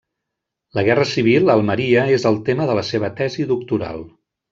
La Guerra Civil a Almeria és el tema de la seva tesi doctoral.